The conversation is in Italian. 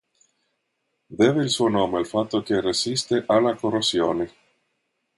Deve il suo nome al fatto che resiste alla corrosione.